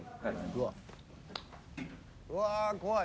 「うわー怖い！